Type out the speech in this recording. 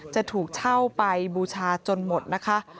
จะถูกเช่าไปบูชาจนหมดนะคะ